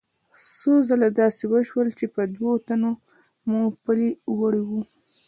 څو ځله داسې وشول چې په دوو تنو مو پلي وړي وو.